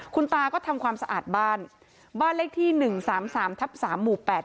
คุณตาก็ทำความสะอาดบ้านบ้านเลขที่หนึ่งสามสามทับสามหมู่แปด